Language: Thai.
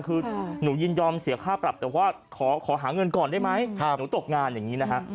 คือหนูยินยอมเสียค่าปรับแต่ว่าขอหาเงินก่อนได้ไหมหนูตกงานอย่างนี้นะฮะ